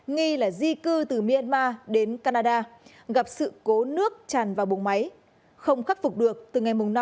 nghi là di cư từ myanmar đến canada gặp sự cố nước tràn vào bùng máy không khắc phục được từ ngày năm tháng một